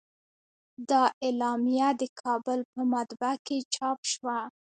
دا اعلامیه د کابل په مطبعه کې چاپ شوه.